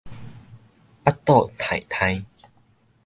腹肚挺挺